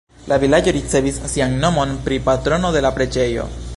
La vilaĝo ricevis sian nomon pri patrono de la preĝejo.